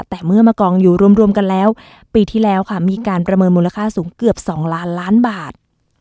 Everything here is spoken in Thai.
แต่เมื่อมากองอยู่รวมกันแล้วปีที่แล้วค่ะมีการประเมินมูลค่าสูงเกือบ๒ล้านล้านบาท